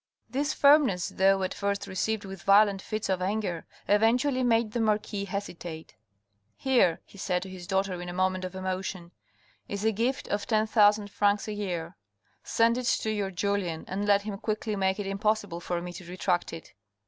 This firmness though at first received with violent fits of anger, eventually made the marquis hesitate. " Here," he said to his daughter in a moment of emotion, " is a gift of ten thousand francs a year. Send it to your Julien, and let him quickly make it impossible for me to retract it."